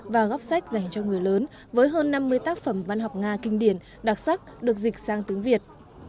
và góc sách dành cho người lớn với hơn năm mươi tác phẩm văn học nga kinh điển đặc sắc được dịch sang tiếng việt